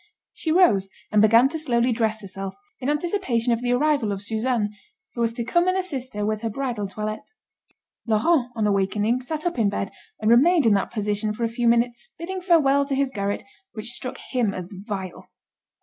She rose and began to slowly dress herself, in anticipation of the arrival of Suzanne, who was to come and assist her with her bridal toilet. Laurent, on awakening, sat up in bed, and remained in that position for a few minutes, bidding farewell to his garret, which struck him as vile.